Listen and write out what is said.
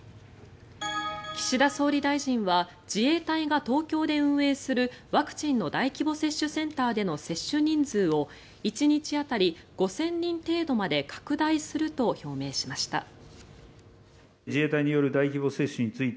岸田総理大臣は自衛隊が東京で運営するワクチンの大規模接種センターでの接種人数を１日当たり５０００人程度まで拡大すると表明しました。